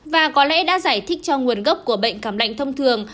và có lẽ đã giải thích cho nguồn gốc của bệnh cảm lạnh thông thường